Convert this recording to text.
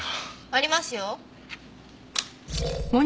ありますよ。